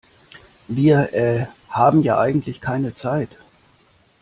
Wir, äh, haben ja eigentlich keine Zeit.